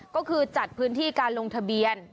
ก็คือจัดพื้นที่การลงทะเบียน